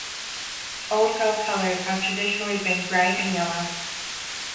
Old Girl colors have traditionally been grey and yellow.